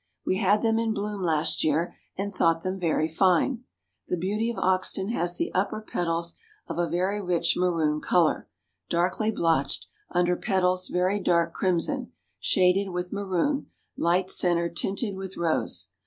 We had them in bloom last year and thought them very fine. The Beauty of Oxton has the upper petals of a very rich maroon color, darkly blotched; under petals very dark crimson, shaded with maroon; light center tinted with rose.